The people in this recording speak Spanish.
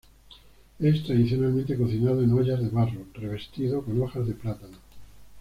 Es tradicionalmente cocinado en ollas de barro 'revestido' con hojas de plátano.